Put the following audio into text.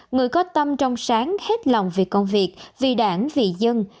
người có tâm trong sáng hết lòng vì công việc vì đảng vì dân